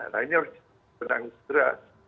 nah ini harus benang segera